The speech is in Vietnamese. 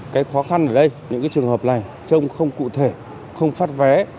cái khó khăn ở đây những trường hợp này trông không cụ thể không phát vé